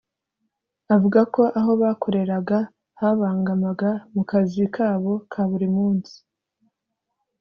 avuga ko aho bakoreraga habangamaga mu kazi kabo ka buri munsi